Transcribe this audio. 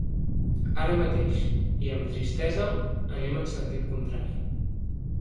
Ara mateix, i amb tristesa, anem en sentit contrari.